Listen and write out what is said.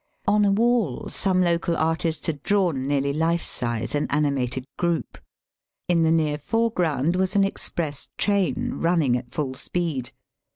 On a wall some local artist had drawn, nearly life size, an animated group. In the near foreground was an express train running at full speed.